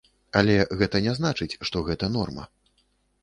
Але гэта не значыць, што гэта норма.